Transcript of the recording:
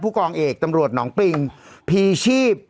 กองเอกตำรวจหนองปริงพีชีพ